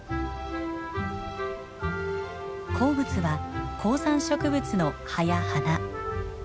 好物は高山植物の葉や花。